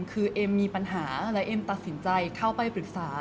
คือเอ็มมีปัญหาและเอ็มตัดสินใจเข้าไปปรึกษา